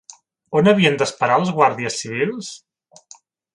On havien d'esperar els Guàrdies Civils?